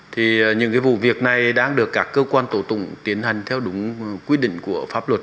thì những vụ việc này đang được các cơ quan tổ tụng tiến hành theo đúng quy định của pháp luật